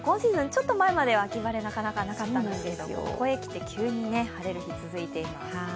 ちょっと前までは、秋晴れ、なかなかなかったんですけどここへ来て急に晴れる日が続いています。